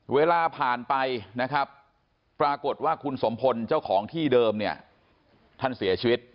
เวลาผ่านไปปรากฏว่าคุณสมพลเจ้าของที่เดิมท่านเสียชีวิต